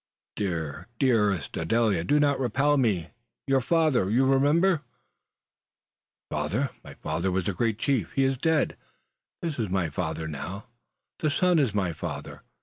"Dear, dearest Adele! do not repel me me, your father! You remember " "My father! My father was a great chief. He is dead. This is my father now. The Sun is my father.